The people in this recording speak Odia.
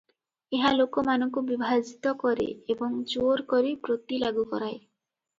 ଏହା ଲୋକମାନଙ୍କୁ ବିଭାଜିତ କରେ ଏବଂ ଜୋର କରି ବୃତ୍ତି ଲାଗୁ କରାଏ ।